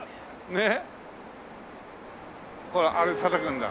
ねっ。